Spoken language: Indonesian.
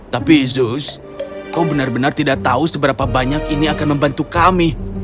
tapi zuz kau benar benar tidak tahu seberapa banyak ini akan membantu kami